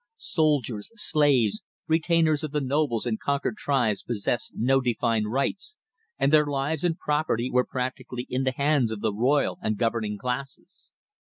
Soldiers, slaves, retainers of the nobles and conquered tribes possessed no defined rights, and their lives and property were practically in the hands of the royal and governing classes.